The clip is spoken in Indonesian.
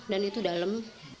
dan itu dalem